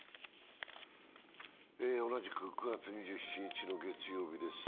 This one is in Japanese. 同じく９月２７日の月曜日です。